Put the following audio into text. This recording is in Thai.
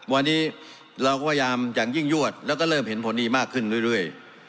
วันนี้เราก็พยายามอย่างยิ่งยวดแล้วก็เริ่มเห็นผลดีมากขึ้นเรื่อย